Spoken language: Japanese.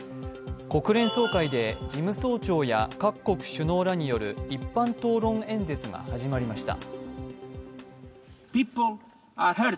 国連総会で事務総長や各国首脳らによる一般討論演説が始まりました。